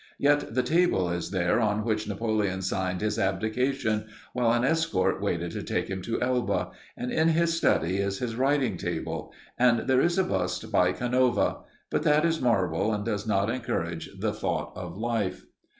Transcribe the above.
Yet the table is there on which Napoleon signed his abdication, while an escort waited to take him to Elba, and in his study is his writing table; and there is a bust by Canova; but that is marble, and does not encourage the thought of life.